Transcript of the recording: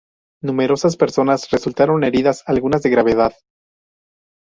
Numerosas personas resultaron heridas, algunas de gravedad.